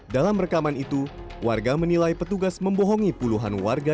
dalam rekaman itu warga menilai petugas membohongi puluhan warga